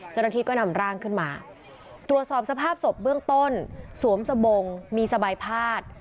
เจ้าหน้าที่ก็นำร่างขึ้นมาตรวจสอบสภาพศพเบื้องต้นสวมสบงมีสบายพาด